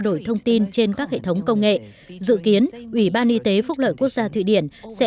đổi thông tin trên các hệ thống công nghệ dự kiến ủy ban y tế phúc lợi quốc gia thụy điển sẽ